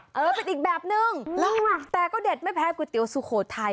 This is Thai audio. เออเป็นอีกแบบนึงแต่ก็เด็ดไม่แพ้ก๋วยเตี๋ยวสุโขทัย